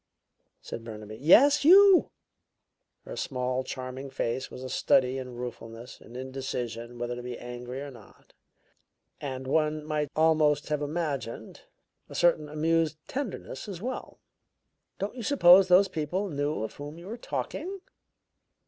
said Burnaby. "Yes, you!" Her small, charming face was a study in ruefulness, and indecision whether to be angry or not, and, one might almost have imagined, a certain amused tenderness as well. "Don't you suppose those people knew of whom you were talking?"